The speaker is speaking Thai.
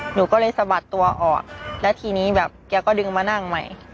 หนูก็เลยสะบัดตัวออกแล้วทีนี้แบบแกก็ดึงมานั่งใหม่